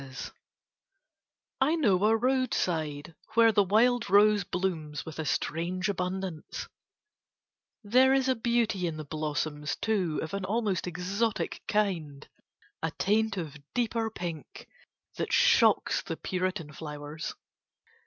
ROSES I know a roadside where the wild rose blooms with a strange abundance. There is a beauty in the blossoms too of an almost exotic kind, a taint of deeper pink that shocks the Puritan flowers.